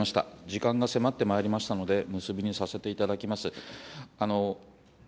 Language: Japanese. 時間が迫ってまいりましたので、結びにさせていただきます。